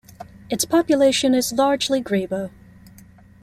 Its population is largely Grebo.